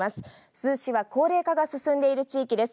珠洲市は高齢化が進んでいる地域です。